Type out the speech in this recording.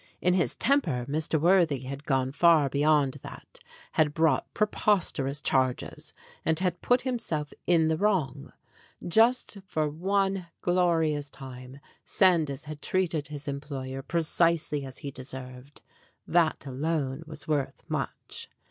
In his temper, Mr. Worthy had gone far beyond that, had brought preposterous charges, and had put himself in the wrong. Just for one glori ous time Sandys had treated his employer precisely as he deserved that alone was worth much.